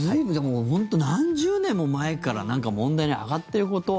本当に何十年も前から問題に上がってること。